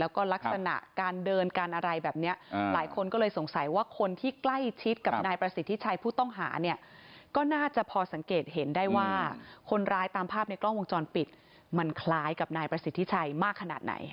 ว่าคนที่ใกล้ชิดกับนายประสิทธิชัยผู้ต้องหาเนี่ยก็น่าจะพอสังเกตเห็นได้ว่าคนร้ายตามภาพในกล้องวงจรปิดมันคล้ายกับนายประสิทธิชัยมากขนาดไหน